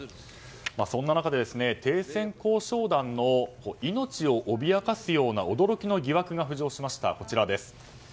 そんな中で停戦交渉団の命を脅かすような驚きの疑惑が浮上しました。